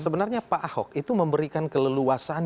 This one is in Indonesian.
sebenarnya pak ahok itu memberikan keleluasaan